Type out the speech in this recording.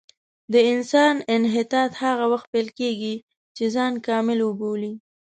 د انسان انحطاط هغه وخت پیل کېږي چې ځان کامل وبولي.